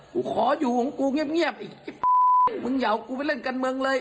ขออยู่ของกูเงียบอีกมึงอย่าเอากูไปเล่นการเมืองเลย